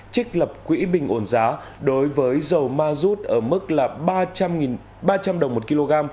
trích lập quỹ bình ổn giá đối với dầu ma rút ở mức ba trăm linh đồng một kg